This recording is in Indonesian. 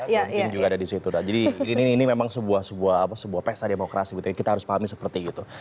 don king juga ada disitu jadi ini memang sebuah pesta demokrasi gitu ya kita harus pahami seperti itu